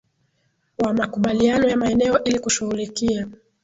wa makubaliano ya maeneo ili kushughulikia